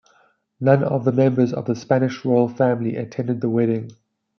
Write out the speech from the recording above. None of the members of the Spanish royal family attended the wedding.